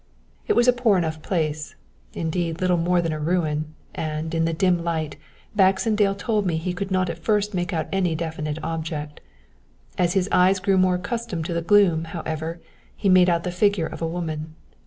"It was a poor enough place indeed, little more than a ruin, and, in the dim light, Baxendale told me he could not at first make out any definite object. As his eyes grew more accustomed to the gloom, however, he made out the figure of a woman.